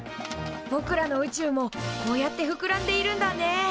ぼくらの宇宙もこうやってふくらんでいるんだね。